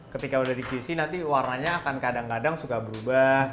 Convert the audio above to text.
ketika udah di qc nanti warnanya akan kadang kadang suka berubah